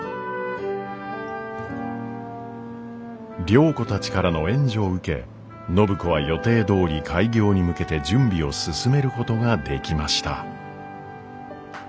良子たちからの援助を受け暢子は予定どおり開業に向けて準備を進めることができました。